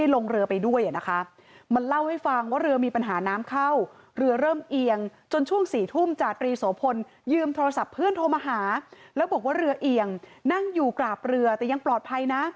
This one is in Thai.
แล้วก็บอกว่าเรือเอียงนั่งอยู่กราบเรือแต่ยังปลอดภัย